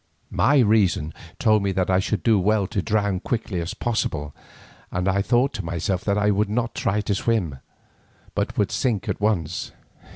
My reason told me that I should do well to drown as quickly as possible, and I thought to myself that I would not try to swim, but would sink at once.